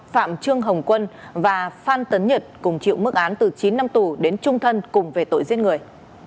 phạm trương hồng quân và phan tấn nhật cùng chịu mức án từ chín năm tù đến trung thân cùng về tội giết người